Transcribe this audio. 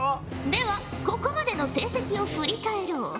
ではここまでの成績を振り返ろう。